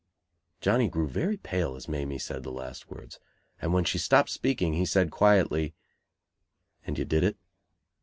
'" Johnny grew very pale as Mamie said the last words; and when she stopped speaking, he said quietly: "And you did it?"